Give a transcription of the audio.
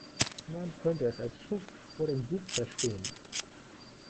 Man könnte es als Schuss vor den Bug verstehen.